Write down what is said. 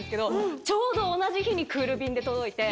ちょうど同じ日にクール便で届いて。